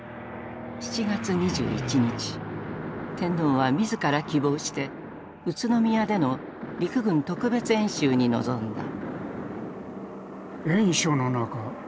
７月２１日天皇は自ら希望して宇都宮での陸軍特別演習に臨んだ。